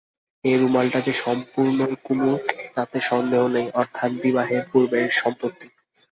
এ রুমালটা যে সম্পূর্ণই কুমুর, তাতে সন্দেহ নেই–অর্থাৎ বিবাহের পূর্বের সম্পত্তি।